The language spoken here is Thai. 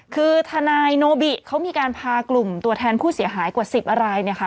คือทนายโนบิเขามีการพากลุ่มตัวแทนผู้เสียหายกว่า๑๐อะไรเนี่ยค่ะ